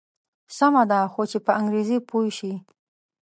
سمه ده خو چې په انګریزي پوی شي.